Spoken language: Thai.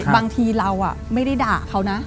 บางทีเราไม่ได้ด่าเขานะ